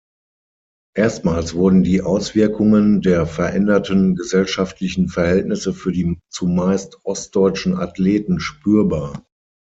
Erstmals wurden die Auswirkungen der veränderten gesellschaftlichen Verhältnisse für die zumeist ostdeutschen Athleten spürbar.